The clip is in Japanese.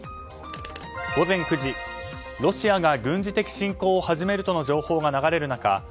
午前９時ロシアが軍事的侵攻を始めるとの情報が流れる中